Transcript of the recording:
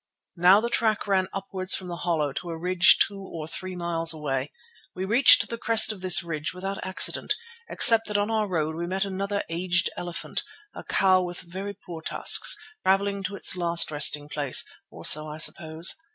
Now the track ran upwards from the hollow to a ridge two or three miles away. We reached the crest of this ridge without accident, except that on our road we met another aged elephant, a cow with very poor tusks, travelling to its last resting place, or so I suppose.